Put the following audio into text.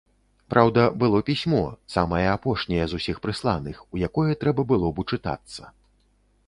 Праўда, было пісьмо, самае апошняе з усіх прысланых, у якое трэба было б учытацца.